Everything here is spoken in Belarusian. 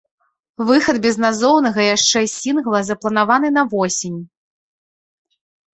Выхад безназоўнага яшчэ сінгла запланаваны на восень.